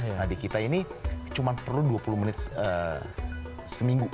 nah di kita ini cuma perlu dua puluh menit seminggu